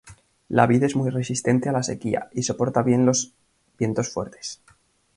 La vid es muy resistente a la sequía, y soporta bien los vientos fuertes.